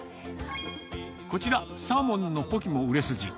こちら、サーモンのポキも売れ筋。